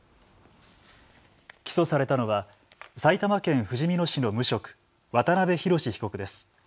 起訴されたのは埼玉県ふじみ野市の無職、渡邊宏被告です。